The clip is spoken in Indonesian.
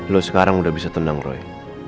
lo sekarang sudah bisa tenang roy